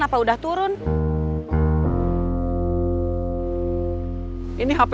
saya udah sampai di jogja